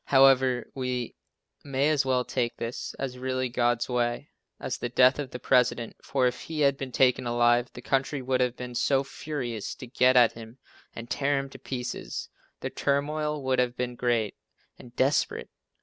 However, we may as well take this as really God's way, as the death of the President, for if he had been taken alive, the country would have been so furious to get at him and tear him to pieces the turmoil would have been great and desperate.